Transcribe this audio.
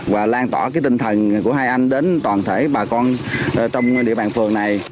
và lan tỏa cái tinh thần của hai anh đến toàn thể bà con trong địa bàn phường này